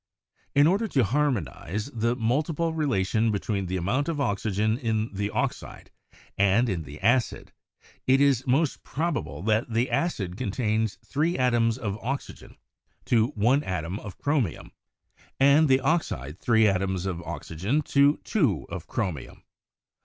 In order to harmonize the multiple relation between the amount of oxygen in the oxide and in the acid, it is most probable that the acid con tains three atoms of oxygen to one atom of chromium, and the oxide three atoms of oxygen to two of chromium.